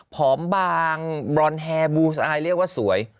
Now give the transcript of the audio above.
ผอมบางบรอนแฮร์บูสอะไรเรียกว่าสวย